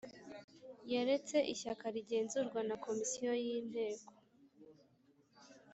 yaretse ishyaka rigenzurwa na comisiyo y' inteko